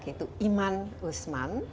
yaitu iman usman